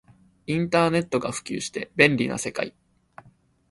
インターネットが普及して便利な世界